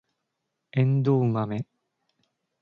エンドウマメ